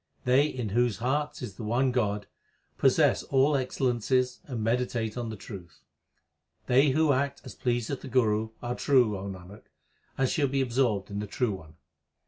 They in whose hearts is the one God, Possess all excellences and meditate on the truth. They who act as pleaseth the Guru Are true, O Nanak, and shall be absorbed in the True One.